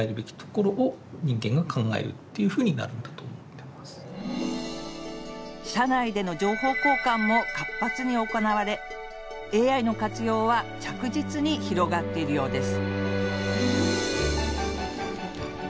ただやはり社内での情報交換も活発に行われＡＩの活用は着実に広がっているようです